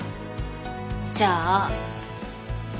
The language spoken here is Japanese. じゃあ。